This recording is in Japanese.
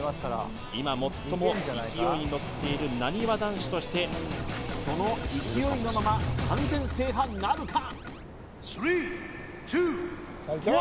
今最も勢いに乗っているなにわ男子としてその勢いのまま完全制覇なるか